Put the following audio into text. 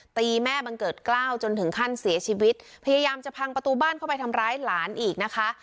ตีแม่บังเกิดกล้าวจนถึงขั้นเสียชีวิตพยายามจะพังประตูบ้านเข้าไปทำร้ายหลานอีกนะคะ